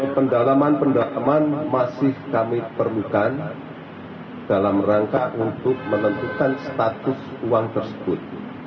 pendalaman pendalaman masih kami perlukan dalam rangka untuk menentukan status uang tersebut